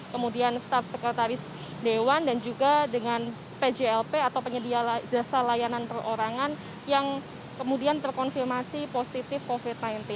kemudian staff sekretaris dewan dan juga dengan pjlp atau penyedia jasa layanan perorangan yang kemudian terkonfirmasi positif covid sembilan belas